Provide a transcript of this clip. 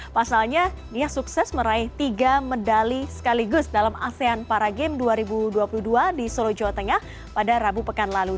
pasalnya dia sukses meraih tiga medali sekaligus dalam asean para games dua ribu dua puluh dua di solo jawa tengah pada rabu pekan lalu